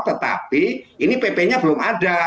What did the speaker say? tetapi ini pp nya belum ada